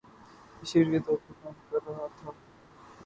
مشیر کے طور پر کام کر رہا تھا